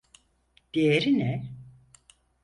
Diğeri ne?